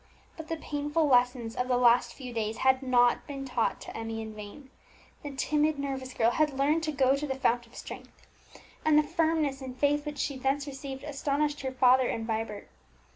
But the painful lessons of the last few days had not been taught to Emmie in vain. The timid nervous girl had learned to go to the Fount of Strength, and the firmness and faith which she thence received astonished her father and Vibert.